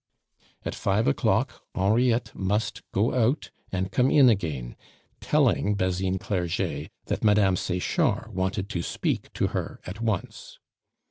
At five o'clock Henriette must go out and come in again, telling Basine Clerget that Mme. Sechard wanted to speak to her at once.